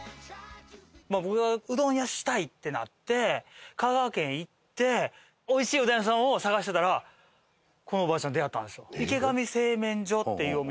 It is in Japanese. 僕がうどん屋したいってなって香川県へ行っておいしいうどん屋さんを探してたらこのおばあちゃんに出会ったんですよ。